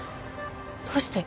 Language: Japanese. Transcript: どうして？